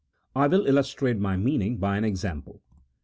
I will illustrate my meaning by an example.